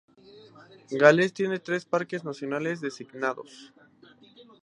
Gales tiene tres parques nacionales designados.